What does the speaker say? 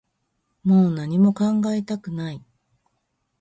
もう何も考えたくない